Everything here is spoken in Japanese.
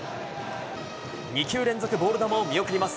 ２球連続ボール球を見送ります。